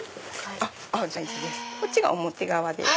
こっちが表側です。